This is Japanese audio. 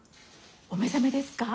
お目覚めですか？